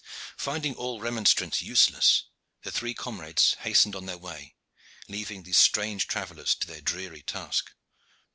Finding all remonstrance useless, the three comrades hastened on their way, leaving these strange travellers to their dreary task.